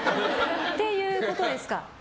っていうことですか。